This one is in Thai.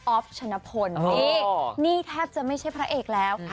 ชนะพลนี่นี่แทบจะไม่ใช่พระเอกแล้ว